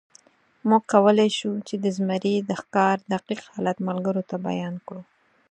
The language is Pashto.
موږ کولی شو، چې د زمري د ښکار دقیق حالت ملګرو ته بیان کړو.